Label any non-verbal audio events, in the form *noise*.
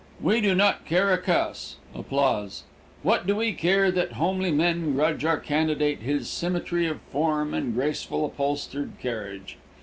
"We do not care a cuss! *applause* What do we care that homely men grudge our candidate his symmetry of form and graceful upholstered carriage?